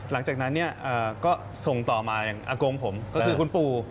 หลังจากนั้นเนี่ยก็ส่งต่อมาอย่างอากงผมก็คือคุณปู่